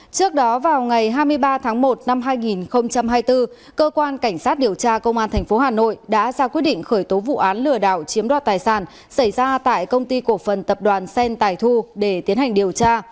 trước đó vào ngày hai mươi ba tháng một năm hai nghìn hai mươi bốn cơ quan cảnh sát điều tra công an tp hà nội đã ra quyết định khởi tố vụ án lừa đảo chiếm đoạt tài sản xảy ra tại công ty cổ phần tập đoàn sen tài thu để tiến hành điều tra